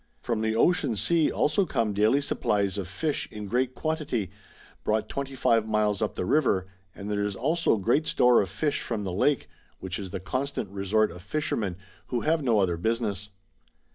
From the Ocean Sea also come daily supplies of fish in great quantity, brought 25 miles up the river, and there is also great store of fish from the Lake, which is the constant resort of fishermen, who have no other business.